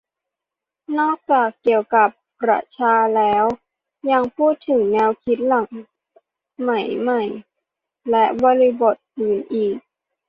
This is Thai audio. นอกจากเกี่ยวกับประชาแล้ว ยังพูดถึงแนวคิดหลังสมัยใหม่ และบริบทอื่นอีก